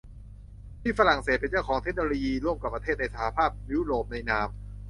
ที่ฝรั่งเศสเป็นเจ้าของเทคโนโลยีร่วมกับประเทศในสหภาพยุโรปในนาม